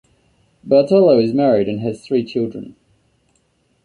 Bartolo is married and has three children.